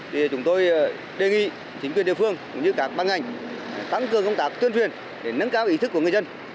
thì chúng tôi đề nghị chính quyền địa phương cũng như các băng ngành tăng cường công tác tuyên truyền để nâng cao ý thức của người dân